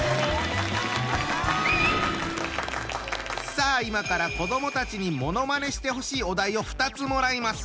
さあ今から子どもたちにものまねしてほしいお題を２つもらいます。